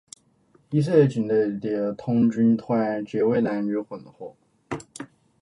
以色列境内的童军团皆为男女混合。